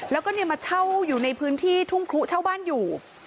แล้วก็มาเช่าอยู่ในพื้นที่ทุ่งครุเช่าบ้านอยู่